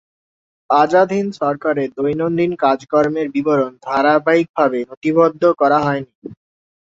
আজাদ হিন্দ সরকারের দৈনন্দিন কাজকর্মের বিবরণী ধারাবাহিকভাবে নথিবদ্ধ করা হয়নি।